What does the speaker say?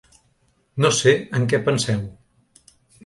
No sé en què penseu.